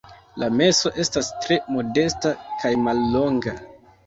La meso estas tre modesta kaj mallonga.